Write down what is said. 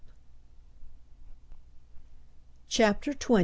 CHAPTER XX.